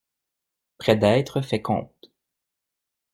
Près d'être fait comte.